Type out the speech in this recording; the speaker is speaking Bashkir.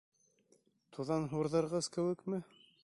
— Туҙан һурҙырғыс кеүекме?